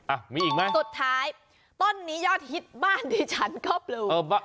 อ่ะมีอีกมั้ยสุดท้ายต้นนี้ยอดฮิตบ้านที่ฉันก็ปลูก